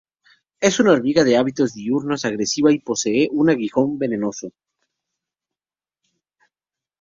Es una hormiga de hábitos diurnos, agresiva, y posee un aguijón venenoso.